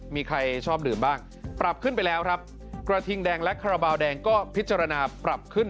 มีใครชอบดื่มบ้างปรับขึ้นไปแล้วครับกระทิงแดงและคาราบาลแดงก็พิจารณาปรับขึ้น